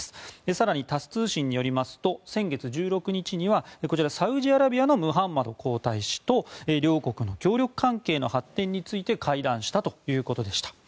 更にタス通信によりますと先月１６日にはサウジアラビアのムハンマド皇太子と両国の協力関係の発展について会談したということでした。